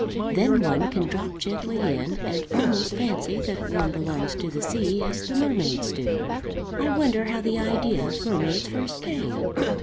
Then one can drop gently in and almost fancy that one belongs to the sea as the mermaids do. I wonder how the idea of mermaids first came?"